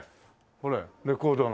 これレコードの。